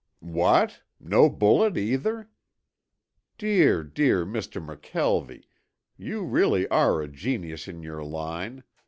"'What! No bullet either? Dear, dear, Mr. McKelvie, you really are a genius in your line.